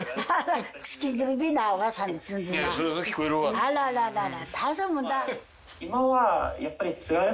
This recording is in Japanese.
あらららら。